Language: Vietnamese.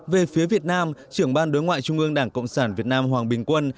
về phía việt nam trưởng ban đối ngoại trung ương đảng cộng sản việt nam hoàng bình quân